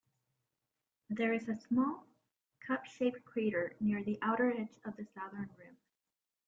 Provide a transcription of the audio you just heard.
There is a small, cup-shaped crater near the outer edge of the southern rim.